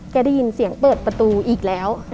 ได้ยินเสียงเปิดประตูอีกแล้ว